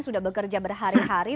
sudah bekerja berhari hari